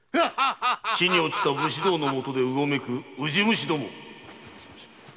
・地に堕ちた武士道の下でうごめくウジ虫ども！